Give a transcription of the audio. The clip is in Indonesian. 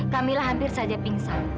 kamila hampir saja pingsan